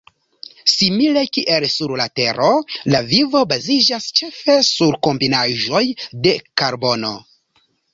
Simile kiel sur la Tero, la vivo baziĝas ĉefe sur kombinaĵoj de karbono.